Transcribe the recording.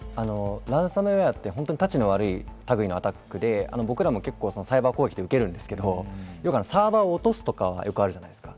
ランサムウエアはタチの悪い類いのアタックで、僕らもサイバー攻撃受けるんですけど、サーバーを落とすとかはあるじゃないですか。